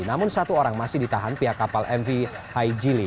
namun satu orang masih ditahan pihak kapal mv haijili